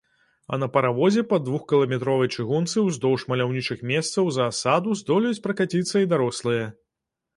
А на паравозе па двухкіламетровай чыгунцы ўздоўж маляўнічых месцаў заасаду здолеюць пракаціцца і дарослыя.